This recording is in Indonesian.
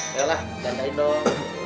yolah jantain dong